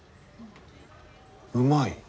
うまい。